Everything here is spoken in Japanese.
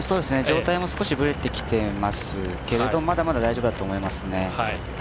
上体も少しぶれてきていますけれどまだまだ大丈夫だと思います。